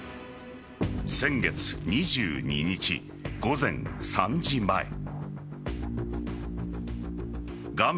先月２２日午前３時前画面